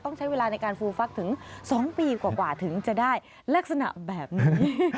ต้องใช้เวลาในการฟูฟักถึง๒ปีกว่าถึงจะได้ลักษณะแบบนี้